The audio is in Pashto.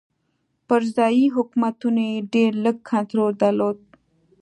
پر ځايي حکومتونو یې ډېر لږ کنټرول درلود.